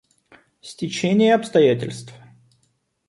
Стечение обстоятельств.